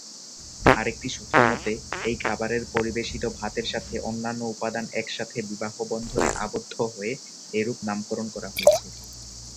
আরেকটি সূত্রমতে, এই খাবারের পরিবেশিত ভাতের সাথে অন্যান্য উপাদান একসাথে বিবাহ বন্ধনে আবদ্ধ হয়ে এরূপ নামকরণ করা হয়েছে।